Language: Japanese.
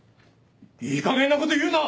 いいかげんなこと言うな！